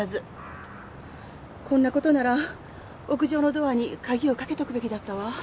こんな事なら屋上のドアに鍵をかけとくべきだったわ。